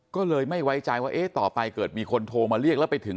ก็เลยไม่ไว้ใจว่าเอ๊ะต่อไปเกิดมีคนโทรมาเรียกแล้วไปถึง